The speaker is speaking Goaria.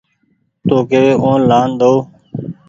تو ڪيوي اوني لآن ۮئو